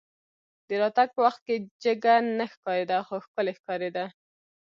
د راتګ په وخت کې جګه نه ښکارېده خو ښکلې ښکارېده.